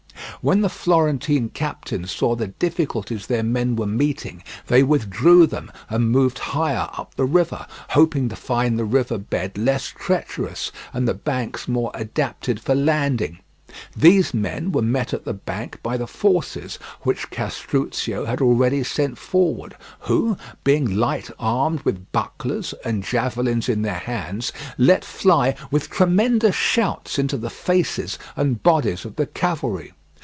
When the Florentine captains saw the difficulties their men were meeting, they withdrew them and moved higher up the river, hoping to find the river bed less treacherous and the banks more adapted for landing. These men were met at the bank by the forces which Castruccio had already sent forward, who, being light armed with bucklers and javelins in their hands, let fly with tremendous shouts into the faces and bodies of the cavalry.